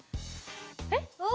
えっ？